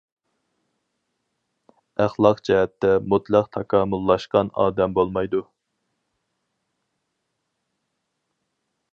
ئەخلاق جەھەتتە مۇتلەق تاكامۇللاشقان ئادەم بولمايدۇ.